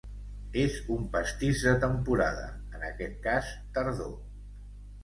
És un pastís de temporada, en aquest cas tardor.